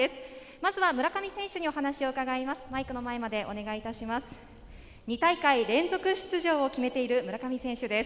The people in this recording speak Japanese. まずは村上選手にお話を伺います。